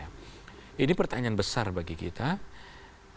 hakim ketika dipaparkan dan disodorkan alat bukti yang sangat kuat sekali